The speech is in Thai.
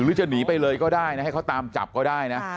หรือจะหนีไปเลยก็ได้นะให้เขาตามจับก็ได้นะ